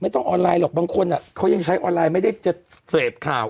ต้องออนไลน์หรอกบางคนเขายังใช้ออนไลน์ไม่ได้จะเสพข่าว